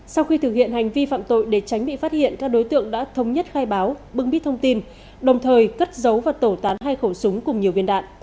sau khi thực hiện hành vi phạm tội để tránh bị phát hiện các đối tượng đã thống nhất khai báo bưng bít thông tin đồng thời cất giấu và tẩu tán hai khẩu súng cùng nhiều viên đạn